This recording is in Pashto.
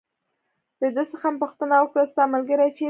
د ده څخه مې پوښتنه وکړل: ستا ملګری چېرې دی؟